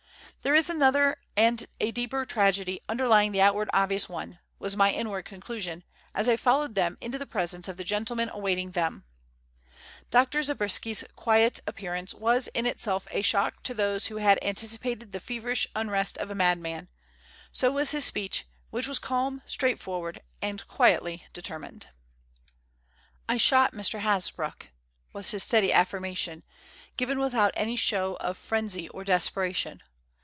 "There is another and a deeper tragedy underlying the outward and obvious one," was my inward conclusion, as I followed them into the presence of the gentlemen awaiting them. Dr. Zabriskie's quiet appearance was in itself a shock to those who had anticipated the feverish unrest of a madman; so was his speech, which was calm, straightforward, and quietly determined. "I shot Mr. Hasbrouck," was his steady affirmation, given without any show of frenzy or desperation.